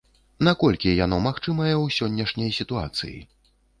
Наколькі яно магчымае ў сённяшняй сітуацыі?